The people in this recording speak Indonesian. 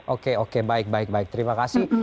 oke oke baik baik baik terima kasih